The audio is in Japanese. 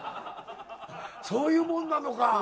そういうもんなのか。